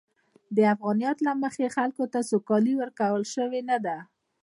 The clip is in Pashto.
د افغانیت له مخې، خلکو ته سوکالي ورکول شوې نه ده.